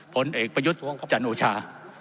ผลเอกประยุทธ์จันโอชา